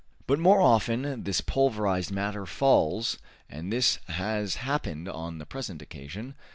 But more often this pulverized matter falls, and this happened on the present occasion.